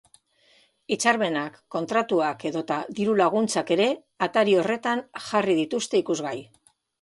Hitzarmenak, kontratuak edota diru-laguntzak ere atari horretan jarri dituzte ikusgai.